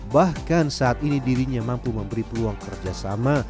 bahkan saat ini dirinya mampu memberi peluang kerjasama